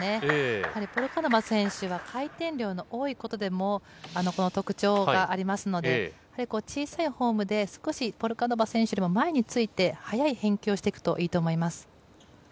やはり、ポルカノバ選手は回転量の多いことにも特徴がありますので小さいフォームで少しポルカノバ選手よりも前について速い返球をしていくといいと思います。